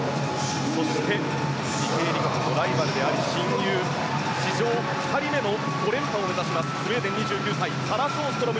そして池江璃花子のライバルであり親友史上２人目の５連覇を目指しますスウェーデン、２９歳サラ・ショーストロム